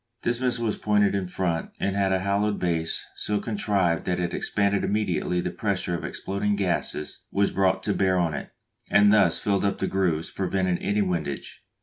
This missile was pointed in front, and had a hollowed base so contrived that it expanded immediately the pressure of exploding gases was brought to bear on it, and thus filled up the grooves, preventing any windage.